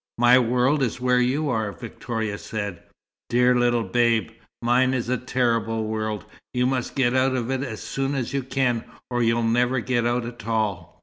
"My world is where you are," Victoria said. "Dear little Babe! Mine is a terrible world. You must get out of it as soon as you can, or you'll never get out at all."